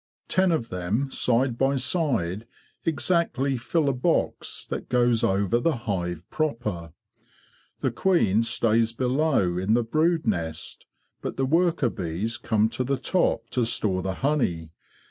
Ten of them side by side exactly fill a box that goes over the hive proper. The queen stays below in the brood nest, but the worker bees come to the top to store the honey.